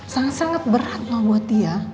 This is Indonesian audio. sangat sangat berat loh buat dia